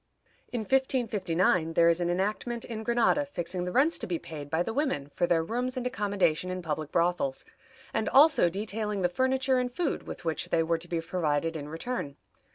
In 1559, there is an enactment in Granada fixing the rents to be paid by the women for their rooms and accommodation in public brothels, and also detailing the furniture and food with which they were to be provided in return.